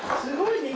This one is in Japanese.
すごい。